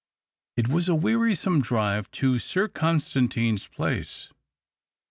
It was a wearisome drive to Sir Constan tine's place.